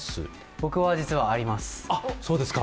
僕は、実はあります。